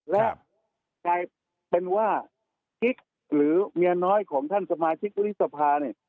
และกลายเป็นว่ากิ๊กหรือเมียน้อยของท่านสมาชิกวุฒิสภาเนี่ย